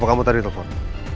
kalo kamu tadi telfon